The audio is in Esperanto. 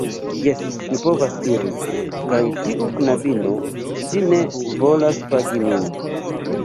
Jes, ni povas iri. Kaj tiu knabino, ŝi ne volas pagi min.